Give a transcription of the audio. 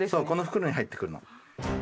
この袋に入ってくるの。